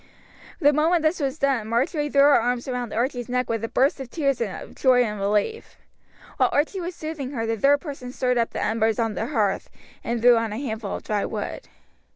The moment this was done Marjory threw her arms round Archie's neck with a burst of tears of joy and relief. While Archie was soothing her the third person stirred up the embers on the hearth and threw on a handful of dry wood.